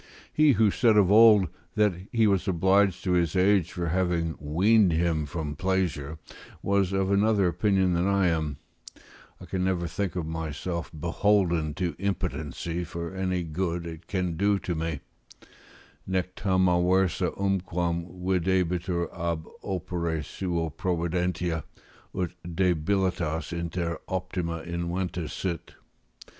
He, who said of old, that he was obliged to his age for having weaned him from pleasure, was of another opinion than I am; I can never think myself beholden to impotency for any good it can do to me: "Nec tam aversa unquam videbitur ab opere suo providentia, ut debilitas inter optima inventa sit."